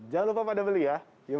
jangan lupa pada beli ya